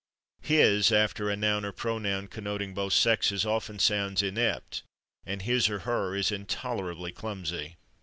/His/, after a noun or pronoun connoting both sexes, often sounds inept, and /his or her/ is intolerably clumsy.